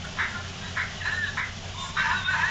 قلمي خط د زده کوونکو د وسلو تر ټولو اغیزمنه برخه ده.